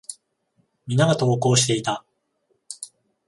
皆が登校していた。